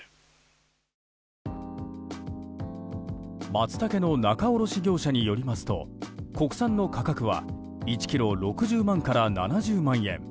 マツタケの仲卸業者によりますと国産の価格は１ｋｇ６０万から７０万円。